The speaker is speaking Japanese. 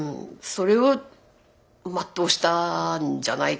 それを全うしたんじゃないかなっていう。